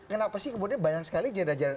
kenapa sih kemudian banyak sekali jenderal jenderal